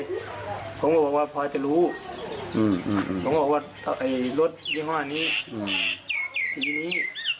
ผมก็บอกว่าพอจะรู้รถชีวิตนี้สีนี้